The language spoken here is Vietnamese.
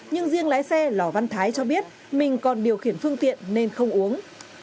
nhưng riêng lái xe lò văn thái cho biết mình còn điều khiển phương tiện nên không uống